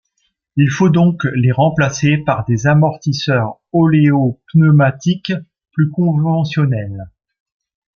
Il faut donc les remplacer par des amortisseurs oléopneumatiques plus conventionnels.